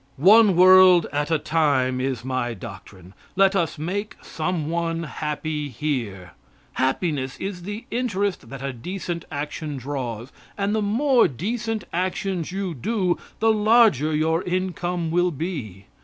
One world at a time is my doctrine. Let us make some one happy here. Happiness is the interest that a decent action draws, and the more decent actions you do, the larger your income will be.